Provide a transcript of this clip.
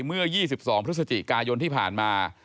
เมื่อ๒๒พฤศจิกายนที่ผ่านมา